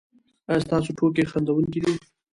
ایا ستاسو ټوکې خندونکې دي؟